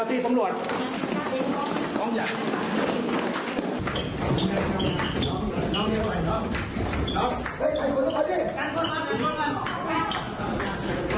พระเจ้าที่ตำรวจ